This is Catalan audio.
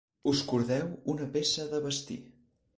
Us cordeu una peça de vestir.